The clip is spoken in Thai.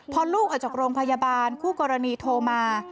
พอลูกออกจากโรงพยาบาลคู่กรณีโทรมา